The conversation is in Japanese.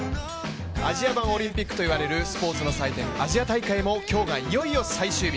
アジア版オリンピックといわれるスポーツの祭典アジア大会も、今日がいよいよ最終日。